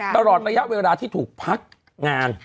ตลอดระยะเวลาที่ถูกพักงาน